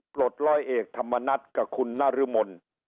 ปลดร้อยเอกธรรมนัฏกับคุณนรมน